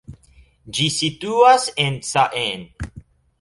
Ĝi situas en Caen.